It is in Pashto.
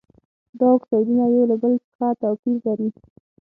دا اکسایدونه یو له بل څخه توپیر لري.